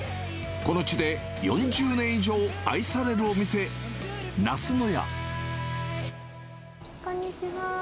この地で４０年以上、愛されるお店、こんにちは。